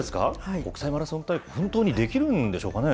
国際マラソン大会、本当にできるんでしょうかね。